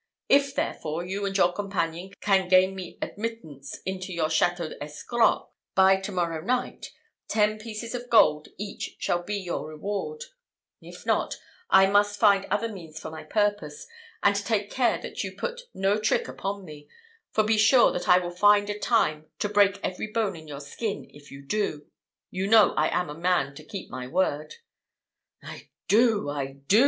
If, therefore, you and your companion can gain me admittance sinto your Château Escroc by to morrow night, ten pieces of gold each shall be your reward; if not, I must find other means for my purpose; and take care that you put no trick upon me; for be sure that I will find a time to break every bone in your skin, if you do. You know I am a man to keep my word." "I do! I do!